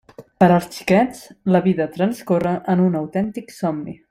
Per als xiquets la vida transcorre en un autèntic somni.